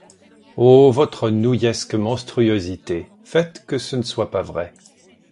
Oh votre nouillesque monstruosité, Faites que ce ne soit pas vrai.